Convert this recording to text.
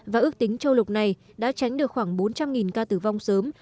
và ước tính châu lục này đã tránh được khoảng bốn trăm linh ca tử vong sớm